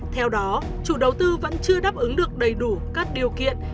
theo đó chủ đầu tư vẫn chưa đáp ứng được đầy đủ các điều kiện